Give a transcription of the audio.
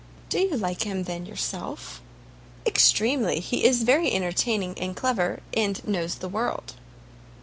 "Do you like him, then, yourself?" "Extremely; he is very entertaining and clever, and knows the world."